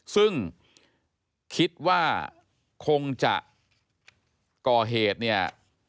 ซึ่งคิดว่าคงจะก่อเหตุเนี่ย